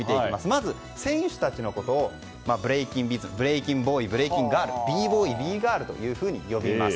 まず選手たちのことをブレイキンボーイブレイキンガールＢ‐Ｂｏｙ、Ｂ‐Ｇｉｒｌと呼びます。